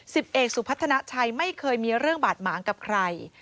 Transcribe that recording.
สิบเอกสุพัฒนาชัยไม่เคยมีเรื่องบาดหมางกับใคร